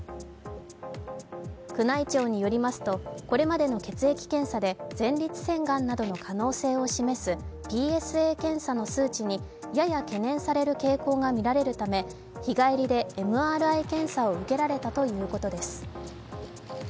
宮内庁によりますと、これまでの血液検査で前立腺がんなどの可能性を示すＰＳＡ検査の数値にやや懸念される傾向がみられるため、日帰りでＭＲＩ検査を受けられたということです。